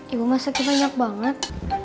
ibu masuki banyak banget